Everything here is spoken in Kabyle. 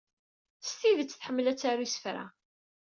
S tidet tḥemmel ad taru isefra.